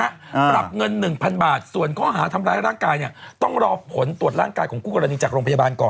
ปรับเงินหนึ่งพันบาทส่วนข้อหาทำร้ายร่างกายเนี่ยต้องรอผลตรวจร่างกายของคู่กรณีจากโรงพยาบาลก่อน